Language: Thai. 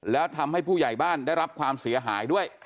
แล้วทำให้ผู้ใหญ่บ้านได้รับความเสียหายด้วย